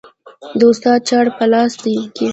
د استاد چاړه په لاس کې